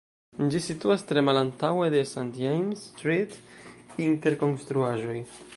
Ĝi situas tre malantaŭe de St James' Street inter konstruaĵoj.